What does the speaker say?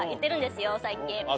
最近。